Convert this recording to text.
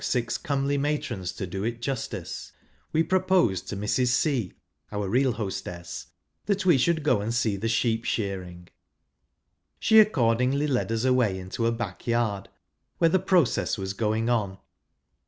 six comely matrons to do it justice, we pro 1 posed to Mrs. C. (our real hostess), that we j should go and see the sheep shearing. Slie I accordingly led us away into a back yard, where the process was going on.